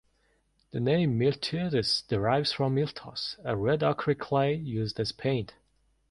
The name "Miltiades" derives from "miltos", a red ochre clay used as paint.